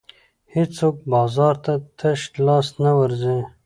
هېڅوک بازار ته تش لاس نه ورځي.